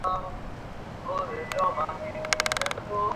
কুসুম ঝা করিয়া সামনে আসিয়া পড়ে।